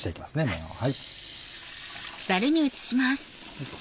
麺を。